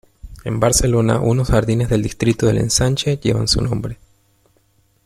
En Barcelona, unos jardines del distrito del Ensanche llevan su nombre.